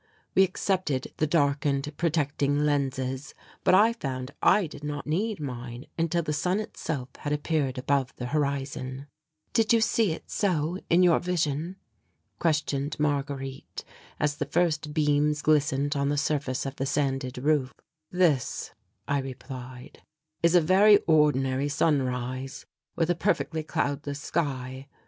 We accepted the darkened protecting lenses, but I found I did not need mine until the sun itself had appeared above the horizon. "Did you see it so in your vision?" questioned Marguerite, as the first beams glistened on the surface of the sanded roof. "This," I replied, "is a very ordinary sunrise with a perfectly cloudless sky.